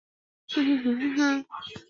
它们是吃浮游生物的。